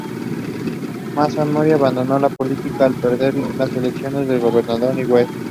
Masanori abandonó la política al perder las elecciones a gobernador de Iwate.